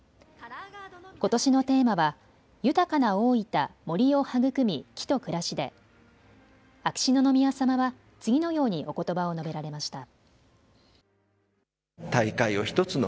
ことしのテーマは豊かなおおいた森林を育み木と暮らしで、秋篠宮さまは次のようにおことばを述べられました。